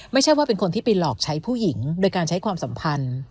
ไม่ใช่ว่าเป็นคนที่ไปหลอกใช้ผู้หญิงโดยการใช้ความสัมพันธ์